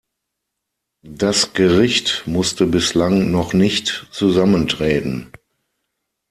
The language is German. Das Gericht musste bislang noch nicht zusammentreten.